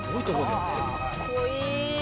かっこいい。